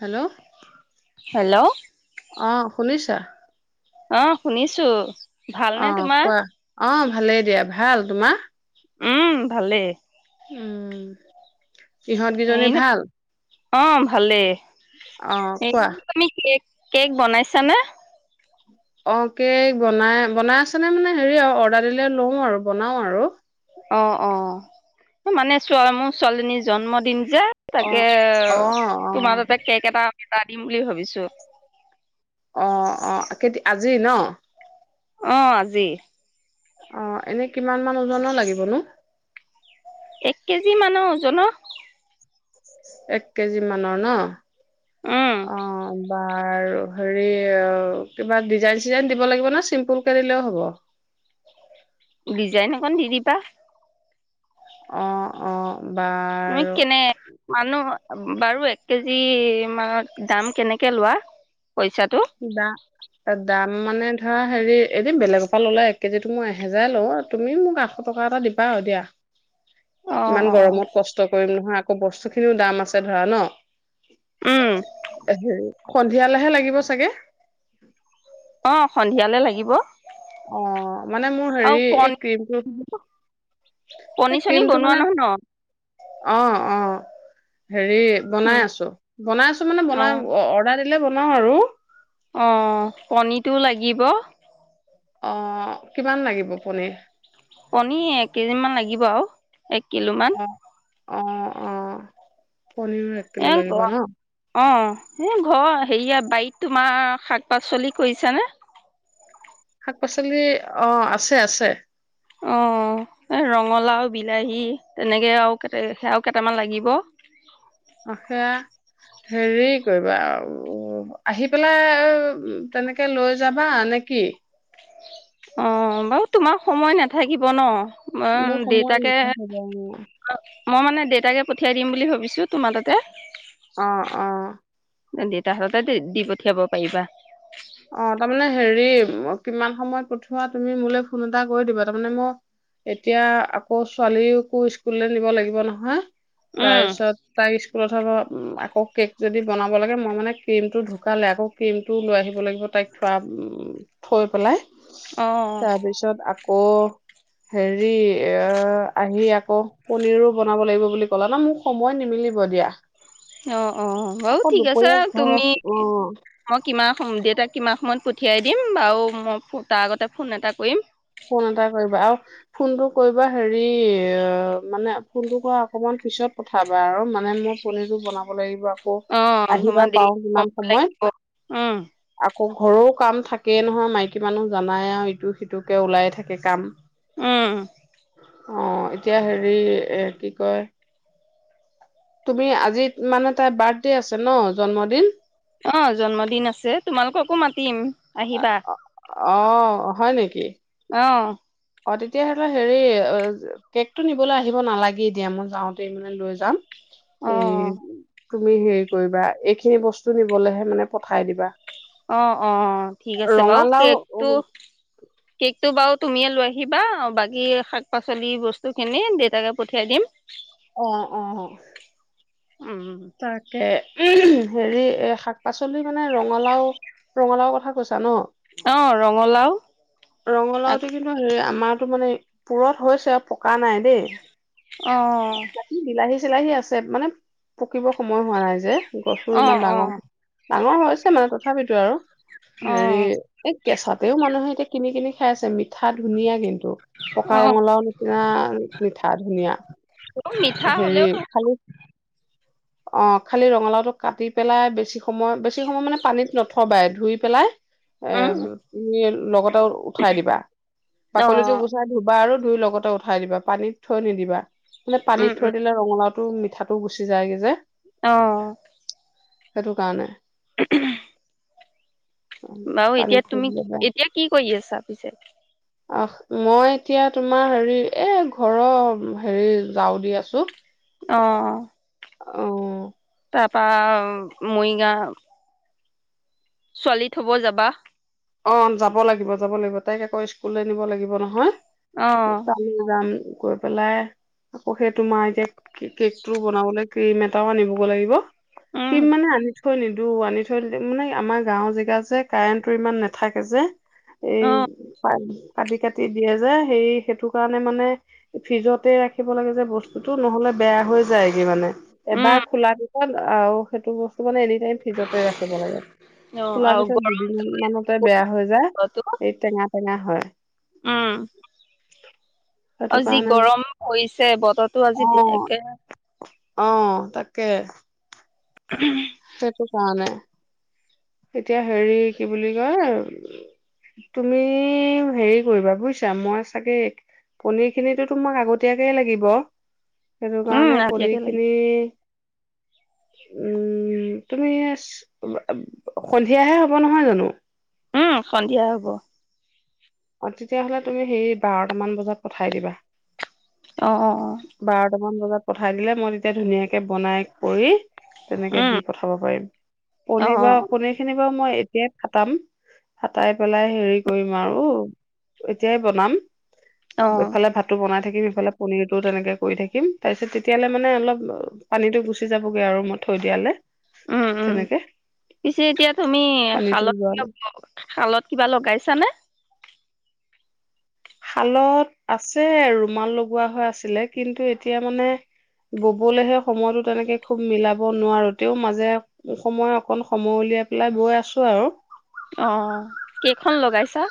Hello hello অ শুনিছা অ শুনিছো অ ভালনে তোমাৰ কোৱা অ ভালেই দিয়া ভাল তোমাৰ উম ভালেই উম ইহঁতকেইজনী হেৰি ন ভাল অ ভালেই অ এই কোৱা তুমি কেক বনাইছানে? অ', কেক বনাই বনাই আছে নে মানে হেৰি আৰু অৰ্ডাৰ দিলে লওঁ আৰু বনাও আৰু। অ', অ', মানে মোৰ ছোৱালিনীৰ জন্মদিন। যে অ তাকে অ তোমাৰ তাতে কেক এটা। এটা দিম বুলি ভাবিছো। অ', অ', কেতি আজি ন। অ', আজি। অ', এনে কিমান মান ওজনৰ লাগিবনো? এক কেজি মানৰ ওজন। এক কেজি মানৰ ন। উম অ', বা। আৰু হেৰি কিবা ডিজাইন চিজাইন দিব লাগিব নে চিম্পুলকে দিলেও হ'ব। ডিজাইন অকণ দি দিবা। অ', অ', বাৰু নিকেনে মানুহক বাৰু এক কেজি মান দাম কেনেকৈ লোৱা। পইচাটো দা দান। [unintelligible] মানে ধৰা হেৰি এদিন বেলেগৰ পৰা ললে এক কেজি মই এহেজাৰে লওঁ তুমি মোক আঠশ টকা এটা দিবা আৰু দিয়া। অ ইমান অ গৰমত কষ্ট কৰিম নহয়। বস্তু খিনিও দাম আছে ধৰা ন। উম [inaudible] সন্ধিয়ালেহে লাগিব। চাগে। অ', সন্ধিয়ালে লাগিব। অ', মানে মোৰ আৰু হেৰি পন এই ক্ৰ্ৰীমটো পনী এই চনী ক্ৰ্ৰীমটো বনোৱা মানে। নহয় ন? অ', অ', হেৰি উম। বনাই আছো বনাই আছো মানে বনাই অ', অৰ্ডাৰ দি। বনাও আৰু। অ', পণীটোৰ লাগিব। অ', কিমান লাগিব পনীৰ। পণী এক কেজিমান লাগিব আৰু। এক কিলোমান। অ অ', অ', পনীৰ এক কিলো লাগিব ঘৰ ন। অ', এ ঘৰ হেৰিয়া বাৰীত তোমাৰ শাক পাচলি কৰিছানে। শাক পাচলি অ আছে আছে। অ', ৰঙালাও, বিলাহী তেনেকে আৰু সেয়াও কেইটামান লাগিব। অ', সেয়া হেৰি কৰিবা আহি পেলাই তেনেকে লৈ যাবা নে কি? অ', বাৰু তোমাৰ সময় নেথাকিব ন। মোৰ মই সময় দেউতাকে নাথাকে বাৰু। মই মানে দেউতাকে পঠিয়াই দিম বুলি ভাবিছো তোমাৰ তাতে অ অ দেউতা হাততে দি পঠিয়াব পাৰিবা অ তাৰমানে হেৰি কিমান সময় পথোৱা তুমি মোলে ফোন এটা কৰি দিবা, তাৰমানে মই এতিয়া আকৌ ছোৱালীকো স্কুললৈ নিব লাগিব নহয় তাৰ উম, পিছত তাৰ স্কুলত হ'ব উ অকে যদি বনাব লাগে মই মানে ক্ৰীম টো ঢুকালে আকৌ ক্ৰীম টো লৈ আহি লাগিব তাইক থোৱা থৈ পেলাই অ'। তাৰপিছত আকৌ হেৰি এ আহি আকৌ পনীৰো বনাব লাগিব বুলি ক'লা ন মোক সময় নিমিলিব দিয়া অ অ বাৰু আকৌ ঠিক আছে দুপৰীয়া ঘৰ তুমি অ মই কিমান দেউাক কিমান সময়ত পঠিয়াই দিম বাৰু মই তাৰ আগতে ফোন এটা কৰিম ফোন এটা কৰিবা আৰু ফোনটো কৰিবা হেৰি অ মানে ফোনটো কৰা অকমান পিছত পঠাবা আৰু মানে মই পনিৰটো বনাব লাগিব আকৌ অ তোমাৰ আহিবা দেৰি পাও কিমান কমব সময় লাগিব উম আকৌ ঘৰৰ কাম থাকে তাকে নহয় মাইকী মানুহ জানাই আৰু ইটো সিটো ওলাই থাকে কাম উম। অ এতিয়া হেৰি এ কি কয় তুমি আজি মানে তাই বাৰ্থডে আছে ন জন্মদিন। অ জন্মদিন আছে তোমালোককো মাতিম। আহিবা। অ' হয় নেকি? অ' অ' তেতিয়াাহলেও হেৰি অ কেক টো নিবলৈ আহিব নালাগে এ দিয়া মই যাওঁতে মানে লৈ যাম। অ উ তুমি হেৰি কৰিবা এইখিনি বস্তু নিবলৈহে মানে পঠাই দিবা অ' অ' ঠিক আছে বাৰু ৰঙালাও কেকটো অ কেক টো বাৰু তুমিয়ে লৈ আহিবা বাকী শাক পাচলি বস্তু খিনি দেউতাকে পঠিয়াই দিম। অ' অ' অ'। উম তাকে উ হেৰি এ শাক পাচলি মানে ৰঙালাও ৰঙালাও কথা কৈছ ন অ ৰঙালাও ৰঙালাওতে কিন্তু হ আমাৰতো মানে পূুৰত হৈছে আৰু। থকা নাই দেই অ বিলাহী। চিলাইহি আছে মানে পকিব সময় হোৱা নাই যে গছো অ ইমান অ ডাঙৰ ডাঙৰ হৈছে মানে তথাপিতো আৰু অ হেৰি এই কেঁচাতেও মানুহে এতিয়া কিনি কিনি খাই চাবি মিঠা ধুনীয়া কিন্তু পকা ৰঙালাও নিচিনা মিঠা ধুনীয়া অ মিঠা হেৰি হলেও খালি অ' খালি ৰঙালাওটো কাটি পেলাই বেছি সময় বেছি সময় মানে পানীত ন থবাই ধুই পেলাই এ উম, তুমি লগতে উঠাই দিবা অ, বাকলিটো গুচাই ধুবা আৰু ধুই লগতে উঠাই দিবা পানীত থৈ নিদিবা। মানে পানী উম, থৈ উম, দিলে ৰঙালাওটো টো মিঠাটো গুচি যায় গে যে অ'। সেইটো কাৰণে। [inaudible] বাও এতিয়া পানীত থৈ তুমি দিলে বেয়া। এতিয়া কি কৰি আছা পিছে? আহ মই এতিয়া তোমাৰ হেৰি এ ঘৰৰ হেৰি যাওঁ দি আছো। অ'। অ'। তাৰপা মৰিগাঁও ছোৱালী থ'ব যাবা অ যাব লাগিব যাব লাগিব তাইক আকৌ স্কুললৈ নিব লাগিব নহয় অ, তালে যাম গৈ পেলাই আকৌ সেই তোমাৰ এতিয়া কি কেক টো বনাবলে ক্ৰীম এটাও আনিবগৈ লাগিব উম, ক্ৰীম মানে আনি থৈ নিদো আনি থৈ টিলে মানে আমাৰ গাঁৱৰ জেগা যে কাৰেণ্ট টো ইমান নে থাকে যে এই অ, পাই কাটি কাটি দিয়ে যে সেই সেইটো কাৰণে মানে ফ্ৰিজতে ৰাখিব লাগে যে বস্তুতটো নহ'লে বেয়া হৈ যায়গে মানে এবাৰ উম, খোলা পিছত আৰু সেইটো বস্তু ত মানে এনি টাইম ফ্ৰিজতে ৰাখিব লাগে অ, খোলাৰ আৰু পিছত গৰম দুদিন মানৰ বেয়া হৈ যায় বতৰটো এই টেঙা টেঙা হয় উম, সেইটো আৰু যি কাৰণে গৰম হৈছে বতৰো অ আজি একে অ তাকে উ সেইটো কাৰণে এতিয়া হেৰি কি বুলি কয় তুমি হেৰি কৰিবা বুজিছা মই চাগে পনিৰ খিনিো তোমাক আগতীয়াকে লাগিব সেইটো উম, কাৰণে পঢি ৰাতিয়কে লাগি খিনি উম তুমি সন্ধিয়াহে হব নহয় জানো উম সন্ধিয়া হ'ব অ তেতিয়াহলে তুমি সেই বাৰটামান বজাত পঠাই দিবা অ অ অ ান বজাত পঠাই দিলে মই তেতিয়া ধুনীয়াকে বনাই পৰি তেনেকে উম, দি পঠাব পাৰিম অ, পনিৰ বা পনিৰ খিনি াৰ মই এতিয়া ফাটাম ফাটাই পেলাই হেৰি কৰিম আৰু এতিয়াই বনাম অ, এফালে ভাতো বনাই থাকিবি সফালে পনীৰতো তেনেকে কৰি থাকিম তাৰপিছত তেতিয়াললে মানে অলপ পানীটো গুচি যাবগে আৰু মই থৈ দিয়ালে উম উম তেনেকে পিছে এতিয়া তুমি পানীটো শালত কিব যোৱালে শালত কিবা লগাইছানে শালত আছে ৰুমাল লগোৱা হৈ আছিলে কিন্তু এতিয়া মানে ববলেহে সময়তো তেনেকে খুব মিলাব নোৱাৰো তেও মাজে সময় অকন সময় উলিয়াই পেলাই বৈ আছো আৰু অ কেইখন লগাইছা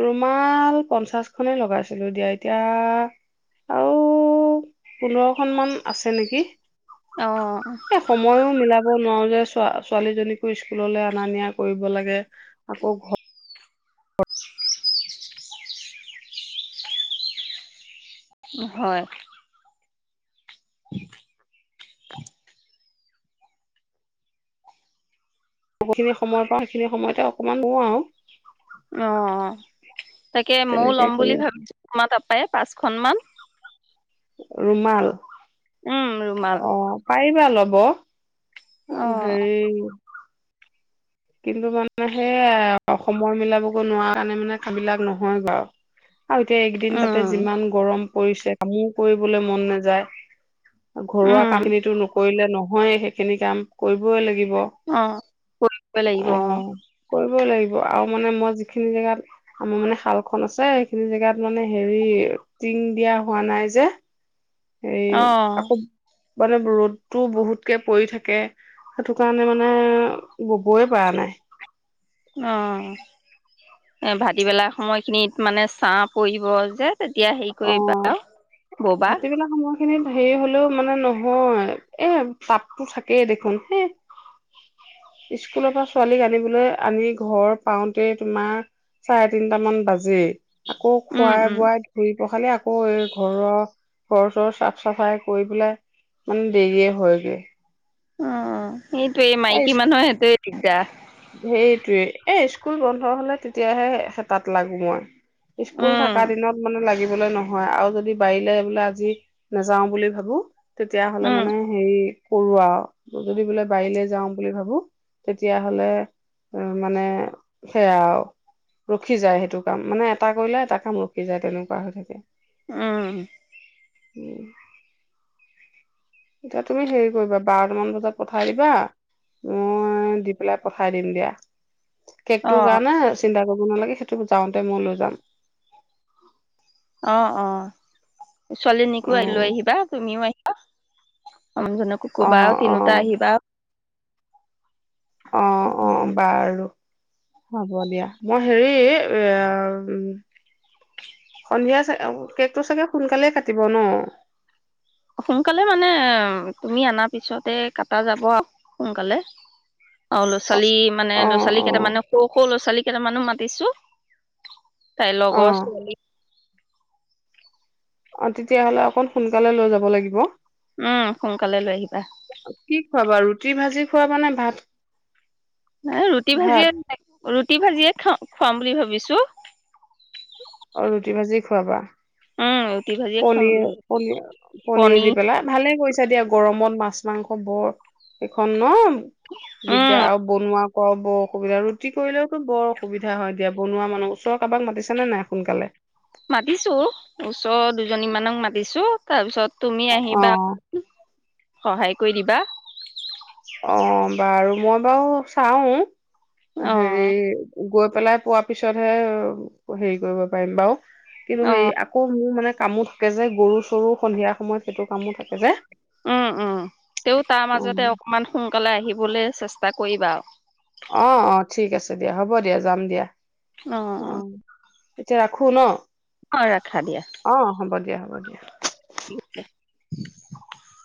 ৰুমাল পঞ্চাশখনেই লগাইছিলো দিয়া এতিয়া আৰু পোন্ধৰখন মান আছে নেকি অ এ সময়ো মিলাব ক'ব নোৱাৰো যে ছোৱালীজনীকো স্কুললৈ অনা নিয়া কৰিব লাগে। আকৌ উম। ঘৰ হয়। [inaudible] বহুতখিনি সময়ৰ পা সেইখিনি সময়তে অকমান ন আৰু অ' তাকে ময়ও তেনেকে ল'ম কৰি বুলি আছো ভাবিছো তোমাৰ। পায় পাঁচখন মান ৰুমাল। উম ৰুমাল। পাৰিবা ভাল হ'ব অ অ' হেৰি কিন্তু মানে সেই সময় মিলাবলৈ নোৱাৰা কাৰণে মানে কামবিলাক নহয় গৈ আৰু। আৰু এতিয়া এইকেইদিন তাতে উম যিমান গৰম। পৰিছে কামো কৰিবলৈ মন নাযায়। ঘৰুৱা উম কামখিনিটো নকৰিলে নহয়। নহয়ে সেইখিনি কাম কৰিবই লাগিব। অ' [unintelligible] প [unintelligible] লাগিব অ'। কৰিবই লাগিব আৰু মানে মই যিখিনি জেগাত আমাৰ মানে শালখন আছে সেইখিনি জেগাত মানে হেৰি টিং দিয়া হোৱা নাই যে এই অ আকৌ মানে ৰ'দটো বহুতকে পৰি থাকে সেইটো কাৰণে মানে ববই পৰা নাই। অ'। এ ভাটিবেলা সময় খিনিত মানে ছাঁ পৰিব যে তেতিয়া হেৰি কৰিবা আও ববা। খিনিত হেৰি হলেও মানে নহয় এ তাপতো থাকেই দেখোন হে স্কুলৰ পৰা ছোৱালীক আনিবলৈ আনি ঘৰ পাওঁতে তোমাৰ চাৰে তিনটামান বাজে আকৌ উম উম খোৱাই-বোৱাই ধুই পখালি আকৌ এই ঘৰৰ ঘৰ চৰৰ চাফ-চাফাই কৰি পেলাই মানে দেৰিয়ে হয়গে। অ', অ'। সেইটোৱেই এই মাইকী মানুহৰ সেইটোৱে দিগদাৰ। সেইটোৱে এ স্কুল বন্ধ হ'লে তেতিয়াহে হেতাত লাগো মই। স্কুল উম থকা দিনত মানে লাগিব নহয় আৰু যদি বাৰিলে বোলে আজি নাযাও বুলি ভাবো। তেতিয়া হ'লে উম মানে হেৰি কৰোঁ আৰু যদি বোলে বাৰে যাওঁ বুলি ভাবো তেতিয়া হ'লে উম, মানে সেয়া ৰখি যায় সেইটো কাম মানে এটা কৰিলে এটা কাম ৰখি যায় তেনেকুৱা হৈ থাকে। উম। উম। এতিয়া তুমি হেৰি কৰিবা বাৰটামান বজাত পঠাই দিবা। মই দি পেলাই পঠাই দিম দিয়া। অ কেকটো কাৰণে চিন্তা [unintelligible] নালাগে। সেইটো যাওঁতে মই লৈ যাম অ -অ। ছোৱালীজনীকো অ লৈ আহিবা। তুমিও আহিবা। মানুহজনকো অ কবা আৰু অ তিনিওটা আহিবা। অ' অ'। বাৰু। হ'ব দিয়া। মই হেৰি এ সন্ধিয়া চাগে কেকটো চাগে সোনকালেই কাটিব ন। সোনকালে মানে তুমি অনাৰ পিছতে কাটা যাব আউ। সোনকালে। অ অ ল'ৰা-ছোৱালী মানে অ লৰা-ছোৱালী অ কেইটামানকো সৰু সৰু ল'ৰা ছোৱালীক কেইটামানো মাতিছো। তাই অ লগৰ ছোৱালী অ তেতিয়াহলে অকণ সোনকালে লৈ যাব লাগিব। উম সোনকালে লৈ আহিবা। খোৱাবানে ভাত? এই ৰুটি ভাত ভাজিয়ে ৰুটি ভাজিয়ে খা - খুৱাম বুলি ভাবিছো। অ ৰুটি ভাজি খোৱাবা! উম ৰুটি ভাজিয়ে খুৱাম বুলি পনীৰ। ভাবিছো পনিৰ -পনীৰ দি পেলাই। ভালে কৰিছা দিয়া গৰমত। মাছ মাংস বৰ এইখন ন? উম দিগদাৰ আৰু বনোৱা অ' বৰ অসুবিধা। ৰুটি কৰিলেওতো বৰ অসুবিধা হয় দিয়া। বনোৱা মানুহ ওচৰৰ কাৰোবাক মাতিছে নে নাই সোনকালে? মাতিছো। ওচৰ দুজনীমানক মাতিছো। তাৰ পিছত তুমি অ আহিবা। সহায় কৰি দিবা। অ' বাৰু। মই বাৰু চাওঁ অ হেৰি গৈ পেলাই পোৱাৰ পিছতহে হেৰি কৰিব পাৰিম বাৰু কিন্তু অ সেই আকৌ মোৰ মানে কামো থাকে যে। গৰু-চৰু সন্ধিয়া সময়ত সেইটো কামো থাকে যে উম- উম। তেও তাৰ অ মাজতে অকমান সোনকালে আহিবলে চেষ্টা কৰিবা আৰু অ'অ' ঠিক আছে দিয়া। হ'ব দিয়া। যাম দিয়া। অ এতিয়া ৰাখো ন হয় ৰাখা দিয়া ব'ক [inaudible] [unintelligible]